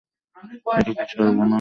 এটা কি সর্বনাশ?